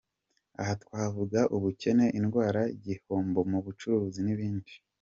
Aha twavuga ubukene, indwara, igihombo mu bucuruzi n’ibindi.